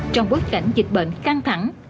trong bối cảnh dịch bệnh căng thẳng